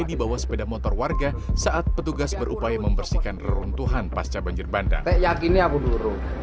di bawah sepeda motor warga saat petugas berupaya membersihkan reruntuhan pasca banjir bandar